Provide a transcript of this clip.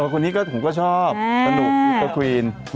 คนนี้ผมก็ชอบสนุกสควีน